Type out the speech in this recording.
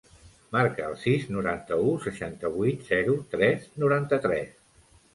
Marca el sis, noranta-u, seixanta-vuit, zero, tres, noranta-tres.